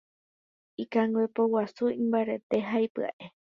Ikangue poguasu imbarete ha ipyaʼe.